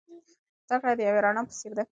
زده کړه د یوې رڼا په څیر ده.